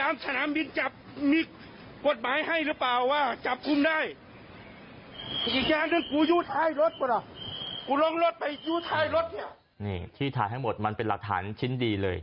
นี่ที่ถ่ายให้หมดมันเป็นหลักฐานชิ้นดีเลย